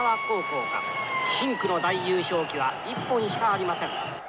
深紅の大優勝旗は一本しかありません。